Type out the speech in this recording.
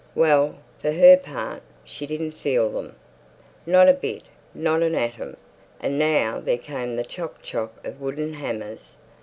Well, for her part, she didn't feel them. Not a bit, not an atom.... And now there came the chock chock of wooden hammers.